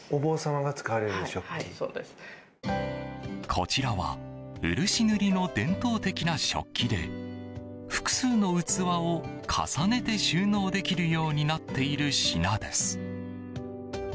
こちらは漆塗りの伝統的な食器で複数の器を重ねて収納できるようになっている品です。